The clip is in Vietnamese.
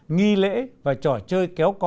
nghi lễ và trò chơi kéo co